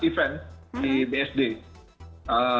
kami berjampingan dan kami menyampaikan